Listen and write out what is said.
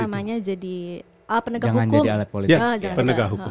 polri jadi penegak hukum